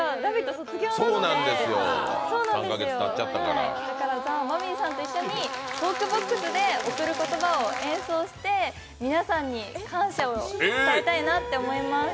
卒業なので、ザ・マミィさんと一緒にトークボックスで「贈る言葉」を演奏して皆さんに感謝を伝えたいなと思います。